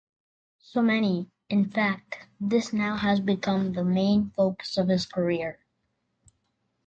So many, in fact, this now became the main focus of his career.